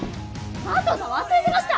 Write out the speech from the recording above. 麻藤さん忘れてました！